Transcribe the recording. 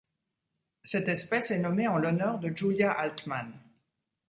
Cette espèce est nommée en l'honneur de Julia Altmann.